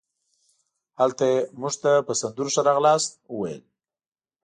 هلته یې مونږ ته په سندرو ښه راغلاست وویل.